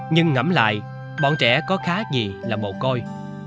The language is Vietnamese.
nhưng ngẫm lại bọn trẻ có khá gì là mồ côi